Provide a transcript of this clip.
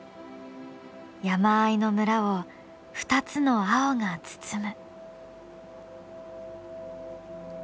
山あいの村を２つの青が包む。